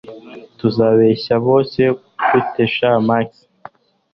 tuzabeshya boss gute sha max